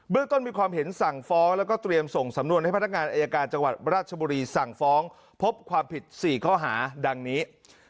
ต้นมีความเห็นสั่งฟ้องแล้วก็เตรียมส่งสำนวนให้พนักงานอายการจังหวัดราชบุรีสั่งฟ้องพบความผิด๔ข้อหาดังนี้